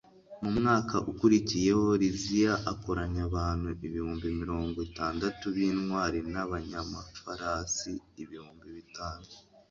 mu mwaka ukurikiyeho, liziya akoranya abantu ibihumbi mirongo itandatu b'intwari, n'abanyamafarasi ibihumbi bitanu